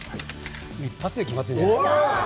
一発で決まったじゃないですか。